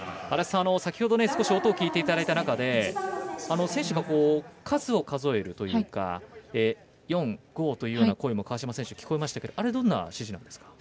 先ほど少し音を聞いていただいた中で、選手が数を数えるというか４、５という声も聞こえましたけどあれはどんな指示なんですか。